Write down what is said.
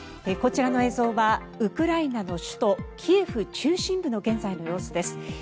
こちらの映像はウクライナの首都キエフ中心部の現在の様子です。